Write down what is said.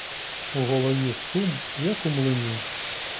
У голові шум, як у млині.